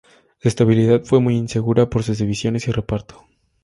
Su estabilidad fue muy insegura por sus divisiones y reparto.